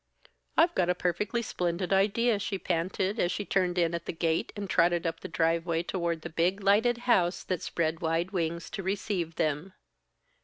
"I've got a perfectly splendid idea," she panted as she turned in at the gate and trotted up the driveway toward the big lighted house that spread wide wings to receive them.